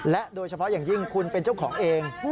โดยเฉพาะอย่างยิ่งคุณเป็นเจ้าของเอง